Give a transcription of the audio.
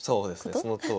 そのとおり。